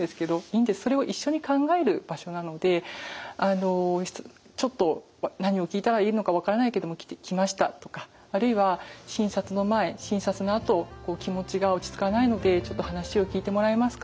それを一緒に考える場所なのでちょっと何を聞いたらいいのか分からないけども来ましたとかあるいは診察の前診察のあと気持ちが落ち着かないのでちょっと話を聞いてもらえますか？